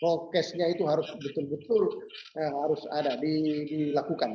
prokesnya itu harus betul betul harus ada dilakukan